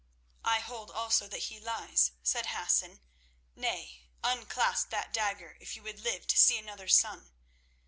"I hold also that he lies," said Hassan. "Nay; unclasp that dagger if you would live to see another sun.